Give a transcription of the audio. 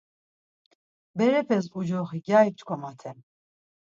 Berepes ucoxi, gyari p̌ç̌ǩomaten.